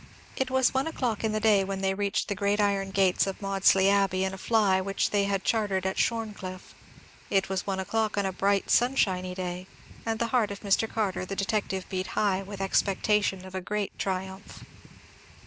It was one o'clock in the day when they reached the great iron gates of Maudesley Abbey in a fly which they had chartered at Shorncliffe. It was one o'clock on a bright sunshiny day, and the heart of Mr. Carter the detective beat high with expectation of a great triumph.